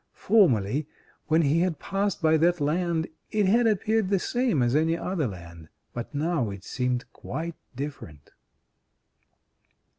Formerly, when he had passed by that land, it had appeared the same as any other land, but now it seemed quite different.